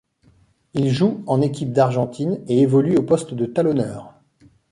Il joue en équipe d'Argentine et évolue au poste de talonneur.